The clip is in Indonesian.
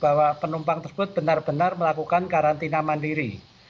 yang pertama penumpang tersebut benar benar melakukan karantina mandiri